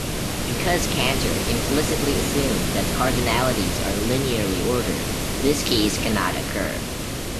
Because Cantor implicitly assumed that cardinalities are linearly ordered, this case cannot occur.